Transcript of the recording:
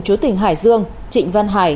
chú tỉnh hải dương trịnh văn hải